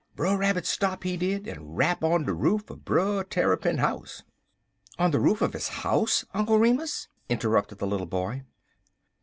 Brer Rabbit stop, he did, en rap on de roof er Brer Tarrypin house." "On the roof of his house, Uncle Remus?" interrupted the little boy.